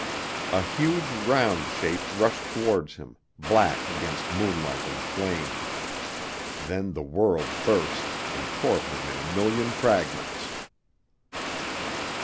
A huge round shape rushed towards him, black against moonlight and flame. Then the world burst and tore him in a million fragments....